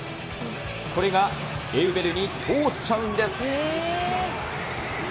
これがエウベルに通っちゃうんです。